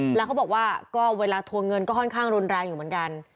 แล้วก็บอกว่าเวลาทวงเงินก็ค่อนข้างร้อนร้ายอยู่เหมือนกัน